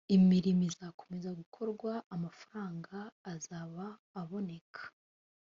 imirimo izakomeza gukorwa amafaranga azaba aboneka